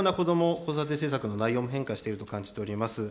子育て政策の内容も変化していると感じております。